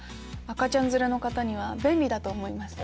赤ちゃん連れの方には便利だと思います。